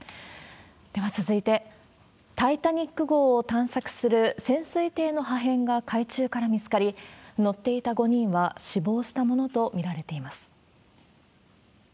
では続いて、タイタニック号を探索する潜水艇の破片が海中から見つかり、乗っていた５人は死亡したものと見られています。